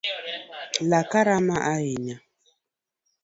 Laka rama ahinya.